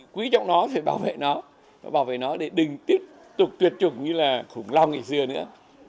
quý trọng nó phải bảo vệ nó và bảo vệ nó để đình tiếp tục tuyệt chủng như là khủng long ngày xưa nữa